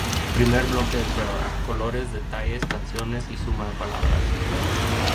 Primer bloque de pruebas: colores, detalles, canciones y suma de palabras.